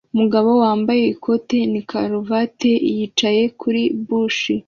Umugabo wambaye ikoti na karuvati yicaye kuri buji